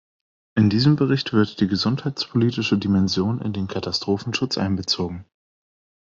In diesem Bericht wird die gesundheitspolitische Dimension in den Katastrophenschutz einbezogen.